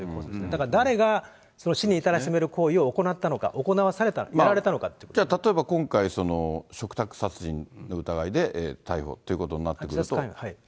だから、誰がその死に至らしめる行為を行ったのか、行わされた、やられたじゃあ例えば今回、嘱託殺人の疑いで逮捕ということになってくると。